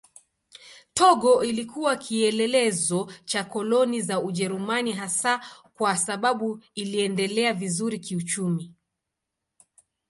Togo ilikuwa kielelezo cha koloni za Ujerumani hasa kwa sababu iliendelea vizuri kiuchumi.